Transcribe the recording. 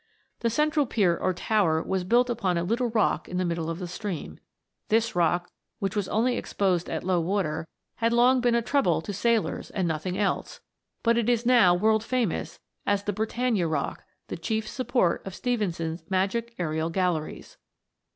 The central pier or tower was built upon a little rock in the middle of the stream. This rock, which was only exposed at low water, had long been a trouble to sailors and nothing else, but it is now world famous as the Britannia Rock, the chief sup port of Stephenson's magic aerial galleries.